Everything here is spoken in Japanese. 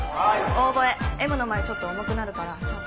オーボエＭの前ちょっと重くなるからちゃんと。